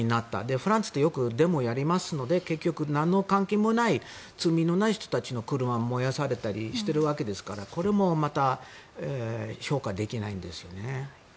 フランスってよくデモをやりますので結局、なんの関係もない罪のない人たちの車が燃やされたりしているわけですからこれもまた評価できないですよね。